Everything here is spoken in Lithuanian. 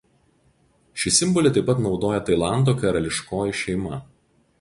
Šį simbolį taip pat naudoja Tailando karališkoji šeima.